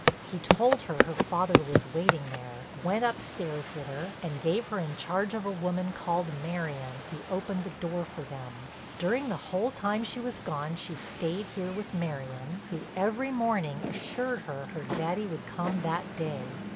He told her her father was waiting there, went upstairs with her, and gave her in charge of a woman called Marion who opened the door for them. During the whole time she was gone she stayed here with Marion, who every morning assured her her Daddy would come that day.